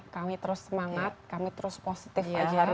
kami terus semangat kami terus positif aja